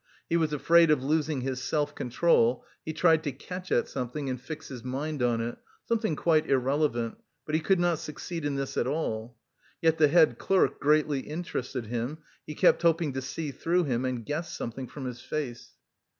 He was afraid of losing his self control; he tried to catch at something and fix his mind on it, something quite irrelevant, but he could not succeed in this at all. Yet the head clerk greatly interested him, he kept hoping to see through him and guess something from his face.